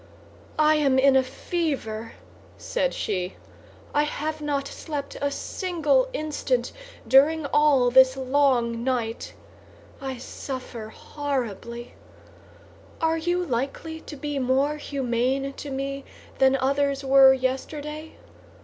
"I am in a fever," said she; "I have not slept a single instant during all this long night. I suffer horribly. Are you likely to be more humane to me than others were yesterday?